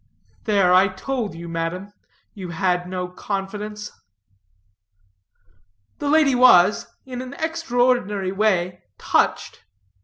"There, I told you, madam, you had no confidence." The lady was, in an extraordinary way, touched.